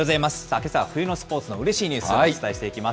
けさは冬のスポーツのうれしいニュース、お伝えしていきます。